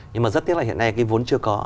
nhưng mà rất tiếc là hiện nay cái vốn chưa có